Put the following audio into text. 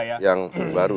itu yang baru